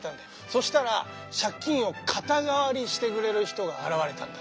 そしたら借金を肩代わりしてくれる人が現れたんだ。